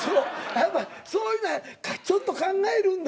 やっぱそういうのはちょっと考えるんだ。